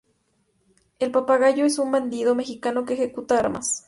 El Papagayo es un bandido mexicano que ejecuta armas.